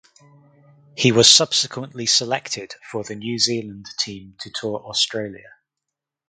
He was subsequently selected for the New Zealand team to tour Australia.